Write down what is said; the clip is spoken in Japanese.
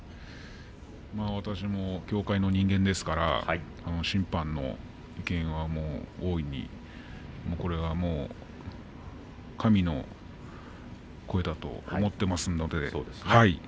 私も協会の人間ですから審判部の決定は神の声だと思っていますので。